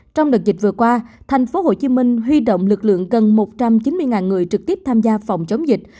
trong đợt dịch vừa qua tp hcm huy động lực lượng gần một trăm chín mươi người trực tiếp tham gia phòng chống dịch